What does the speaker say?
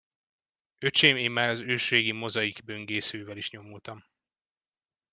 Öcsém, én már az ősrégi Mosaic böngészővel is nyomultam.